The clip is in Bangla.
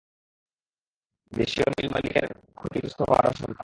দেশীয় মিলমালিকদের ক্ষতিগ্রস্ত হওয়ার আশঙ্কা।